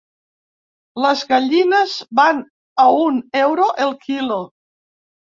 Les gallines van a un euro el quilo.